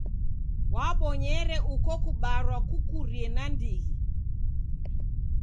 W'abonyere uko kubarwa kukurie nandighi.